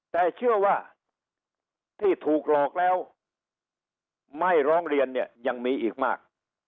แต่เชื่อว่าที่ถูกหลอกแล้วไม่ร้องเรียนเนี่ยยังมีอีกมาก